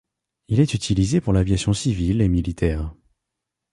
Il est utilisé pour l'aviation civile et militaire.